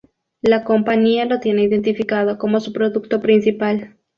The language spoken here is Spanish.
La compañía lo tiene identificado como su producto principal.